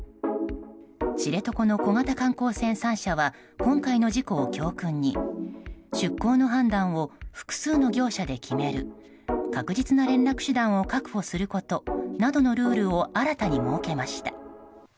知床の小型観光船３社は今回の事故を教訓に出航の判断を複数の業者で決める確実な連絡手段を確保することなどのルールを新たに設けました。